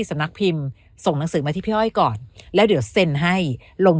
สำนักพิมพ์ส่งหนังสือมาที่พี่อ้อยก่อนแล้วเดี๋ยวเซ็นให้ลง